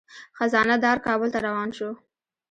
خزانه دار کابل ته روان شو.